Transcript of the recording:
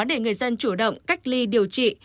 để người dân chủ động cách ly điều trị